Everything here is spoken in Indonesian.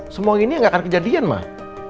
semua ini nggak akan kejadian mah